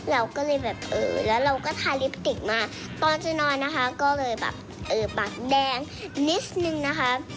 เราก็เลยแบบเออแล้วเราก็ทาลิปติกมาตอนจะนอนนะคะก็เลยแบบเออปากแดงนิดนึงนะคะ